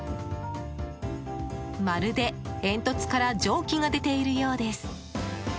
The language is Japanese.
まるで煙突から蒸気が出ているようです。